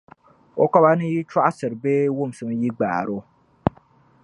O kɔba ni yi chɔɣisira bee wumsim yi gbaari o.